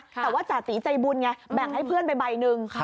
แต่ว่าจ่าตีใจบุญไงแบ่งให้เพื่อนไปใบหนึ่ง